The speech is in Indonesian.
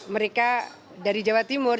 mereka dari jawa timur